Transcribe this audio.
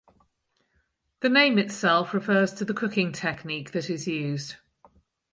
The name itself refers to the cooking technique that is used.